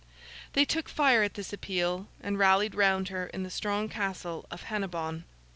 They took fire at this appeal, and rallied round her in the strong castle of Hennebon.